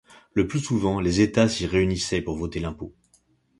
Le plus souvent, les États s'y réunissaient pour voter l'impôt.